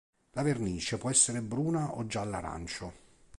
La vernice può essere bruna o gialla arancio.